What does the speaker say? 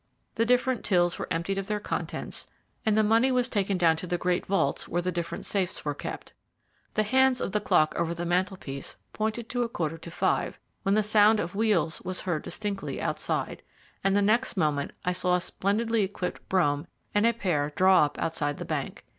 The different tills were emptied of their contents, and the money was taken down to the great vaults where the different safes were kept. The hands of the clock over the mantel piece pointed to a quarter to five, when the sound of wheels was heard distinctly outside, and the next moment I saw a splendidly equipped brougham and pair draw up outside the bank.